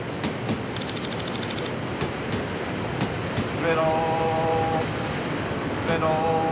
「上野上野」